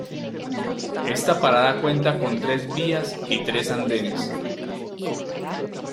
Esta parada cuenta con tres vías y tres andenes.